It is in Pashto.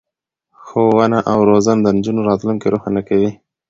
ښوونه او روزنه د نجونو راتلونکی روښانه کوي.